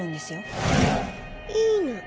いいの。